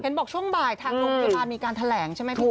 บอกช่วงบ่ายทางโรงพยาบาลมีการแถลงใช่ไหมพี่บุ